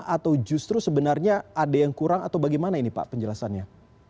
atau justru sebenarnya ada yang kurang atau bagaimana ini pak penjelasannya